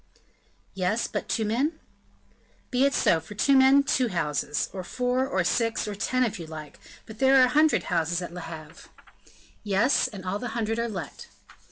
"Yes, but two men?" "Be it so; for two men, two houses, or four or six, or ten, if you like; but there are a hundred houses at Le Havre." "Yes, and all the hundred are let."